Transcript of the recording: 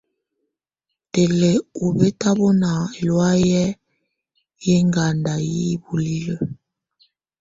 Tù lɛ̀ ɔbɛ̀tabɔna ɛlɔ̀áyɛ yɛ̀ ɛŋganda yi bulilǝ.